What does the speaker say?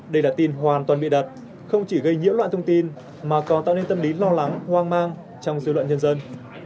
đây là tin hoàn toàn bịa đặt không chỉ gây nhiễu loạn thông tin mà còn tạo nên tâm lý lo lắng hoang mang trong dư luận nhân dân